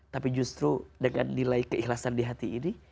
tapi justru dengan nilai keikhlasan di hati ini